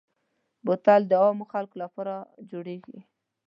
بوتل د عامو خلکو لپاره جوړېږي.